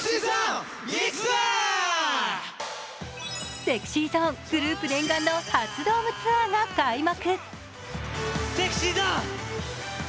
ＳｅｘｙＺｏｎｅ、グループ念願の初ドームツアーが開幕。